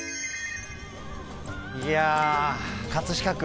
いや葛飾区。